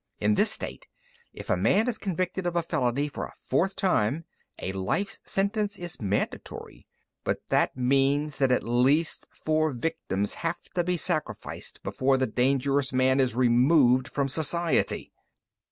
"In this state, if a man is convicted of a felony for a fourth time, a life sentence is mandatory. _But that means that at least four victims have to be sacrificed before the dangerous man is removed from society!